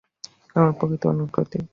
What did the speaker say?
আমরা প্রকৃতির আজ্ঞানুরূপ কার্য করিতে বাধ্য।